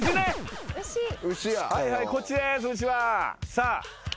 さあ。